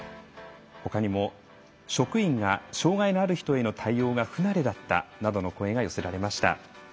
ほかにも職員が障害のある人への対応が不慣れだったなどの声が寄せられました。